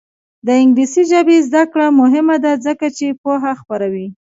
د انګلیسي ژبې زده کړه مهمه ده ځکه چې پوهه خپروي.